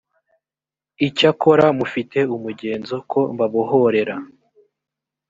icyakora mufite umugenzo ko mbabohorera